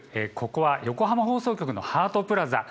ここは横浜放送局のハートプラザ